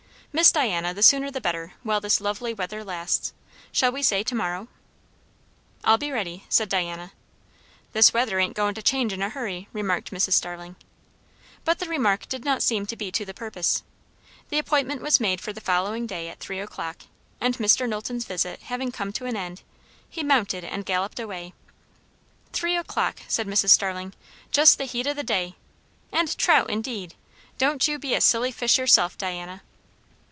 Miss Diana, the sooner the better, while this lovely weather lasts. Shall we say to morrow?" "I'll be ready," said Diana. "This weather ain't goin' to change in a hurry," remarked Mrs. Starling. But the remark did not seem to be to the purpose. The appointment was made for the following day at three o'clock; and Mr. Knowlton's visit having come to an end, he mounted and galloped away. "Three o'clock!" said Mrs. Starling. "Just the heat o' the day. And trout, indeed! Don't you be a silly fish yourself, Diana."